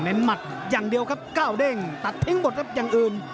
หมัดอย่างเดียวครับก้าวเด้งตัดทิ้งหมดครับอย่างอื่น